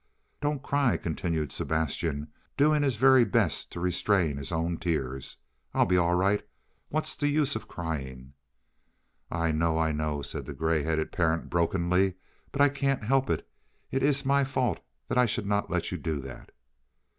"Don't cry," continued Sebastian, doing his very best to restrain his own tears. "I'll be all right. What's the use of crying?" "I know, I know," said the gray headed parent brokenly, "but I can't help it. It is my fault that I should let you do that."